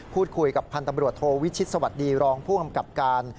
พูดคุยกับพันธบรวจโทวิชิตสวัสดีรองผู้กำกับการ